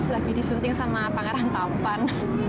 lagi disunting sama pangeran tampan